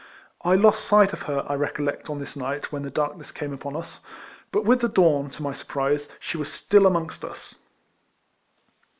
I lost sight of her, I recollect, on this night, when the darkness came upon us: but with the dawn, to my surprise, she was still among&t us.